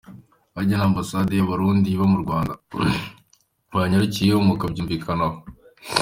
Harya nta ambasade y’Uburundi iba mu Rwanda? Wanyarukiyeyo mukabyumvikanaho.